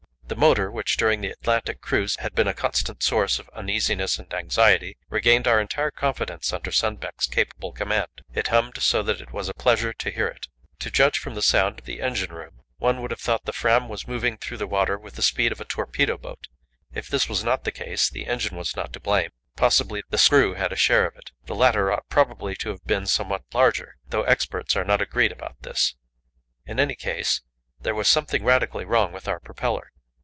The motor, which during the Atlantic cruise had been a constant source of uneasiness and anxiety, regained our entire confidence under Sundbeck's capable command; it hummed so that it was a pleasure to hear it. To judge from the sound of the engine room, one would have thought the Fram was moving through the water with the speed of a torpedo boat. If this was not the case, the engine was not to blame; possibly, the screw had a share of it. The latter ought probably to have been somewhat larger, though experts are not agreed about this; in any case, there was something radically wrong with our propeller.